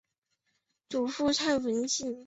祖父蔡文兴。